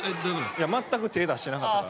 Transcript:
いや全く手ぇ出してなかったから。